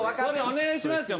お願いしますよ。